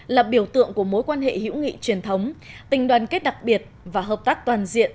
là biểu tượng của mối quan hệ hữu nghị truyền thống tình đoàn kết đặc biệt và hợp tác toàn diện